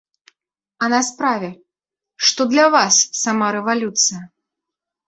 А на справе, што для вас сама рэвалюцыя?